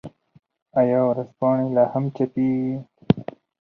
آیا ورځپاڼې لا هم چاپيږي؟